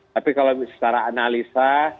tapi kalau secara analisa